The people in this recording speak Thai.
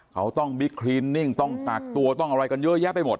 เขาต้องบิ๊กคลีนนิ่งต้องตากตัวต้องอะไรกันเยอะแยะไปหมด